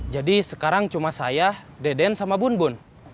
jadi sekarang cuma saya deden sama bun bun